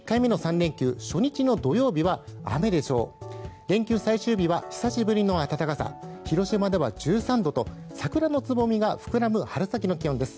連休最終日は久しぶりの暖かさ広島では１３度と桜のつぼみが膨らむ春先の気温です。